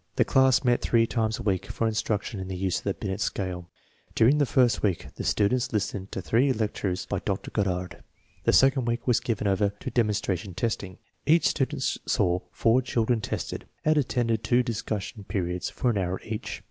The class met three times a week for instruction in the use of the Binet scale. During the first week the students listened to three lectures by Dr. Goddard. The second week was given over to demon stration testing., Each student saw four children tested, and attended two discussion periods of an hour each.